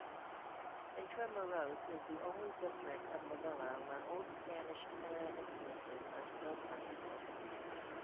Intramuros is the only district of Manila where old Spanish-era influences are still plentiful.